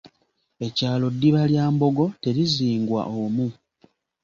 Ekyalo ddiba lya mbogo terizingwa omu.